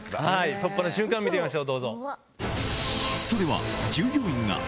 突破の瞬間見てみましょう。